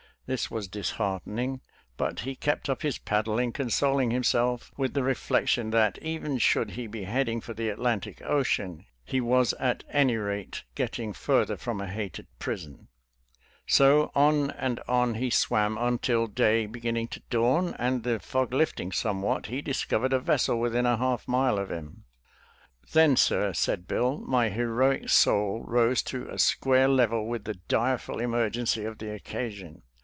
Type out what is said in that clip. This was disheartening,' but he; kept up' his; paddling, consoling himself with the reflection' that even should he be heading for the. Atlantic Ocean, he was at any rate getting further from a hated prison. So on and on he swam, until dayt beginning to dawn and the fog 1 lifting somewhat, he ■ discovered a vessel within half a mile of him. 200 SOLDIER'S LETTERS TO CHARMING NELLIE " Then, sir," said Bill, " my heroic soul rose to a square level with the direful emergency of the occasion.